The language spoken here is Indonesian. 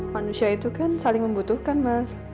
manusia itu kan saling membutuhkan mas